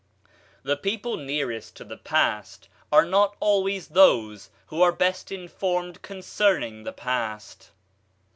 The people nearest to the past are not always those who are best informed concerning the past.